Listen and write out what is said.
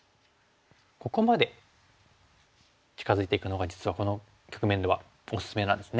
ここまで近づいていくのが実はこの局面ではおすすめなんですね。